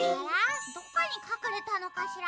どこにかくれたのかしら。